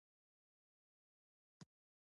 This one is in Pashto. افغانان ګډ کور او فرهنګ لري په پښتو ژبه.